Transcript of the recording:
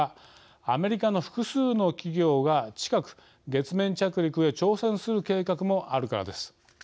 アメリカの複数の企業が近く月面着陸へ挑戦する計画もあるからです。